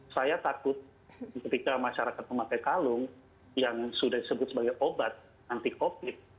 saya takut ketika masyarakat memakai kalung yang sudah disebut sebagai obat anti covid